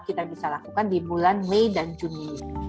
kita bisa lakukan di bulan mei dan juni